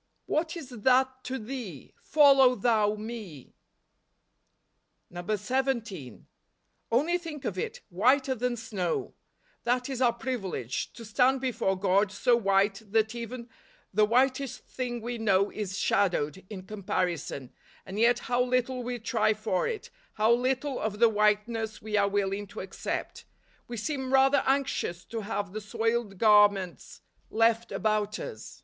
" IHiaf is that to thee? follow thou me" 17. Only think of it, whiter than snow ! That is our privilege, to stand before God so white that even the whitest thing we know is shadowed, in comparison ; and yet how little we try for it; how little of the whiteness we are willing to accept. We seem rather anxious to have the soiled gar¬ ments left about us.